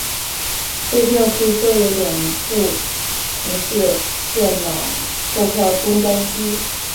售票处设有两部城市电脑售票终端机。